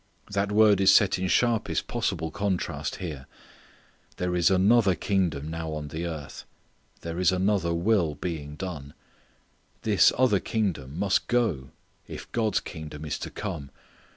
That word is set in sharpest possible contrast here. There is another kingdom now on the earth. There is another will being done. This other kingdom must go if God's kingdom is to come.